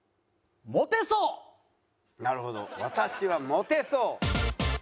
なるほど「私はモテそう」。